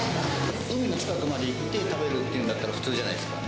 海の近くまで行って食べるっていうんだったら普通じゃないですか。